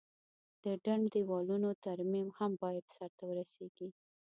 د ډنډ د دیوالونو ترمیم هم باید سرته ورسیږي.